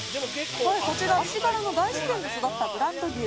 こちら足柄の大自然で育ったブランド牛